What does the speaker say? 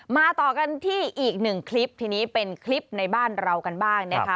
มาต่อกันที่อีกหนึ่งคลิปทีนี้เป็นคลิปในบ้านเรากันบ้างนะคะ